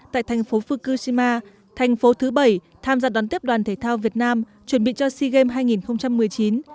tại thành phố fukushima thành phố thứ bảy tham gia đón tiếp đoàn thể thao việt nam chuẩn bị cho sea games hai nghìn một mươi chín